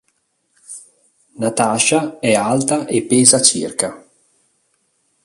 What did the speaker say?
Natasha è alta e pesa circa.